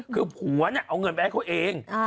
คือผัวเนี่ยเอาเงินไปให้เขาเอง